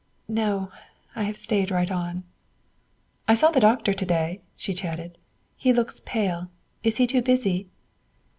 "No; I have stayed right on." "I saw the doctor to day," she chatted. "He looks pale; is he too busy?"